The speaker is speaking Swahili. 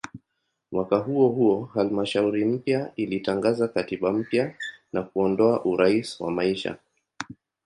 Mwaka huohuo halmashauri mpya ilitangaza katiba mpya na kuondoa "urais wa maisha".